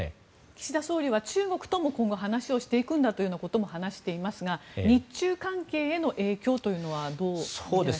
岸田総理は中国とも今後話をしていくんだということも話していますが日中関係への影響というのはどう見ていらっしゃいますか？